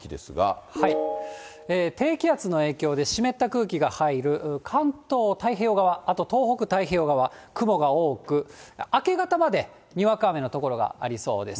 低気圧の影響で、湿った空気が入る関東太平洋側、あと東北太平洋側、雲が多く、明け方までにわか雨の所がありそうです。